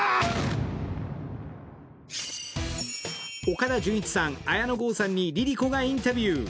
岡田准一さん、綾野剛さんにＬｉＬｉＣｏがインタビュー。